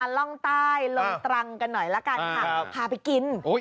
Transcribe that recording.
อ่าล่องใต้ลงตรังกันหน่อยล่ะกันอ่าครับพาไปกินโอ้ย